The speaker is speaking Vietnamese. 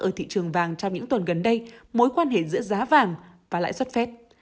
ở thị trường vàng trong những tuần gần đây mối quan hệ giữa giá vàng và lãi suất phép